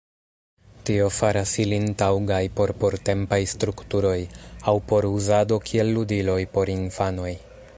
Tio faras ilin taŭgaj por portempaj strukturoj, aŭ por uzado kiel ludiloj por infanoj.